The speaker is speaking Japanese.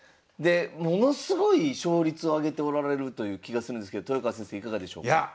でものすごい勝率を挙げておられるという気がするんですけど豊川先生いかがでしょうか？